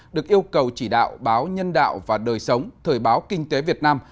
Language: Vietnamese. được yêu cầu chỉ đạo báo nhân đạo và đời sống thời báo kinh tế việt nam